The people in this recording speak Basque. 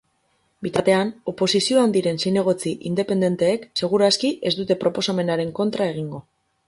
Bitartean, oposizioan diren zinegotzi independenteek segur aski ez dute proposamenaren kontra egingo.